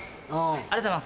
ありがとうございます。